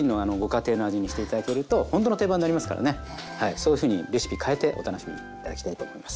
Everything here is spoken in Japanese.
そういうふうにレシピ変えてお楽しみ頂きたいと思います。